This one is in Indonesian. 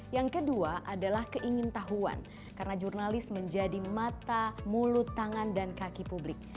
yang kedua adalah keingin tahuan karena jurnalis menjadi mata mulut tangan dan kaki publik